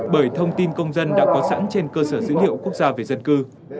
bởi thông tin công dân đã có sẵn trên cơ sở dữ liệu quốc gia về dân cư